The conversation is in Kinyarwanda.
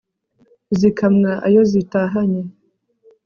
zikamwa ayo zitahanye